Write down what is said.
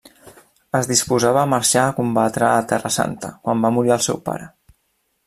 Es disposava a marxar a combatre a Terra Santa quan va morir el seu pare.